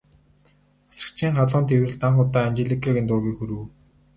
Асрагчийн халуун тэврэлт анх удаа Анжеликагийн дургүйг хүргэв.